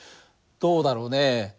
どうだろうね。